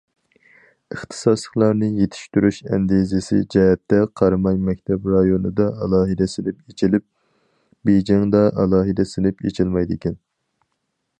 ئىختىساسلىقلارنى يېتىشتۈرۈش ئەندىزىسى جەھەتتە، قاراماي مەكتەپ رايونىدا ئالاھىدە سىنىپ ئېچىلىپ، بېيجىڭدا ئالاھىدە سىنىپ ئېچىلمايدىكەن.